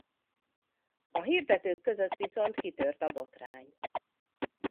A hirdetők között viszont kitört a botrány.